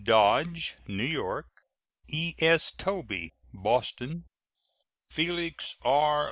Dodge, New York; E.S. Tobey, Boston; Felix R.